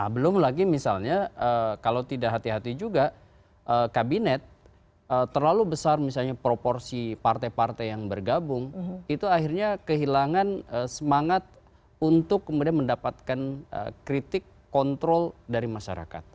belum lagi misalnya kalau tidak hati hati juga kabinet terlalu besar misalnya proporsi partai partai yang bergabung itu akhirnya kehilangan semangat untuk kemudian mendapatkan kritik kontrol dari masyarakat